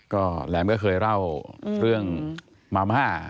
ก็แหลมก็เคยเล่าเรื่องมาม่า